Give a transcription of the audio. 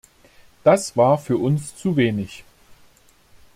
Das war für uns zu wenig.